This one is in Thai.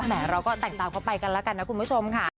เราก็แต่งตามเขาไปกันแล้วกันนะคุณผู้ชมค่ะ